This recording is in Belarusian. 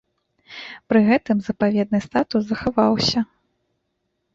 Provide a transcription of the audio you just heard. Пры гэтым запаведны статус захаваўся.